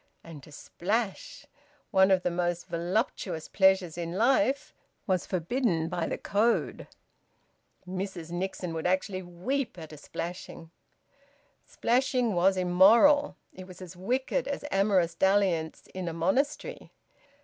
And to splash one of the most voluptuous pleasures in life was forbidden by the code. Mrs Nixon would actually weep at a splashing. Splashing was immoral. It was as wicked as amorous dalliance in a monastery.